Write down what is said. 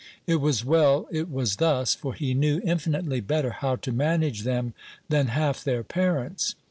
It was well it was thus, for he knew infinitely better how to manage them than half their parents.